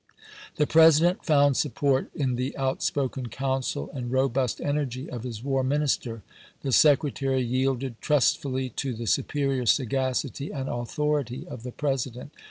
The President found support in the outspoken counsel and robust energy of his war minister; the Secretary yielded trustfully to the superior sagacity and authority of the President.